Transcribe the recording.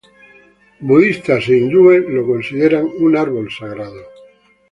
Budistas e hindúes lo consideran un árbol sagrado.